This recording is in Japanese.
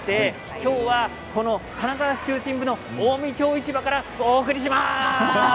今日は金沢市中心部の近江町市場からお送りします。